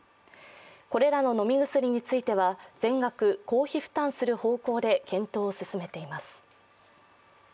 これらの飲み薬については全額公費負担する方針で検討を進めています。